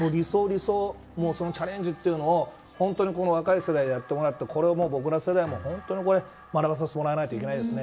その先を目指して理想、チャレンジというのは本当に若い世代にやってもらってこれを、僕ら世代も学ばせてもらわないといけないですね。